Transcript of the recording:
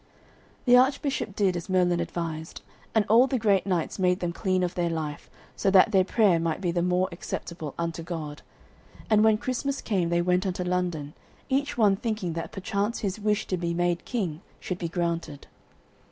The Archbishop did as Merlin advised, and all the great knights made them clean of their life so that their prayer might be the more acceptable unto God, and when Christmas came they went unto London, each one thinking that perchance his wish to be made king should be granted.